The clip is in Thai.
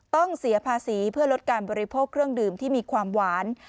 ต้องเสียภาษีเพื่อลดการบริโภคเครื่องดื่มที่มีความหวาน